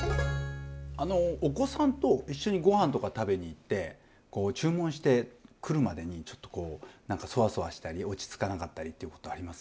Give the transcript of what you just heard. あのお子さんと一緒にご飯とか食べに行って注文して来るまでにちょっとこうなんかそわそわしたり落ち着かなかったりってことあります？